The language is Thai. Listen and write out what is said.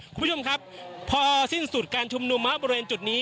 คุณผู้ชมครับพอสิ้นสุดการชุมนุมบริเวณจุดนี้